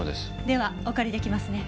ではお借り出来ますね？